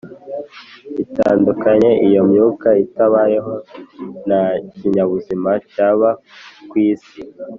itandukanye Iyo myuka itabayeho nta kinyabuzima cyaba k isi